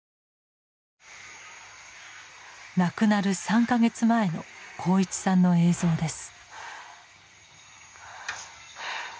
亡くなる３か月前の鋼一さんの映像です。